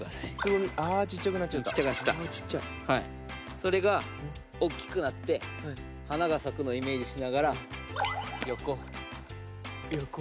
それが大きくなって花がさくのをイメージしながらよこ。